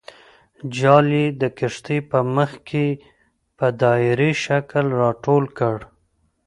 جال یې د کښتۍ په منځ کې په دایروي شکل راټول کړ.